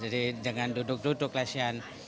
jadi jangan duduk duduk lesen